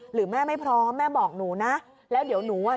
หรือแม่ไม่พร้อมแม่บอกหนูนะแล้วเดี๋ยวหนูอ่ะ